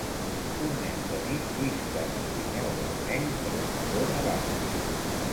Un nen petit llisca en un trineu vermell per un turó nevat.